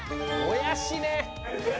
もやしね！